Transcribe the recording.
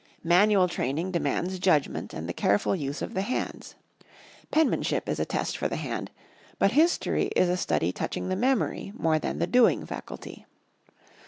Manual training demands judgment and the careful use of the hands. Penmanship is a test for the hand, but History is a study touching the memory more than the doing faculty.